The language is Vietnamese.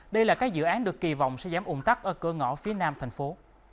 đây là các dự án được kỳ vọng sẽ dám ủng tắc ở cơ ngõ phía nam thành phố